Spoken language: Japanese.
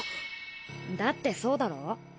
だってそうだろ？